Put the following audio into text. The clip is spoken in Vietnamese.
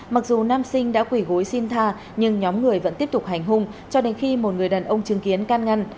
mặc dù nam sinh đã quỷ gối xin tha nhưng nhóm người vẫn tiếp tục hành hung cho đến khi một người đàn ông chứng kiến can ngăn